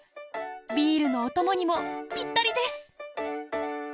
ビールのお供にもぴったりです。